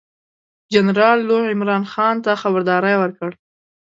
جنرال لو عمرا خان ته خبرداری ورکړ.